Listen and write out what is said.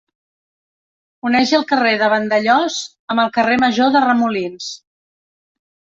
Uneix el carrer de Vandellòs amb el carrer Major de Remolins.